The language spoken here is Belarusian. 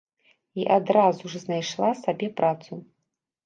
Я адразу ж знайшла сабе працу.